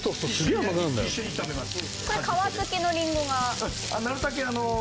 これ皮付きのりんごが？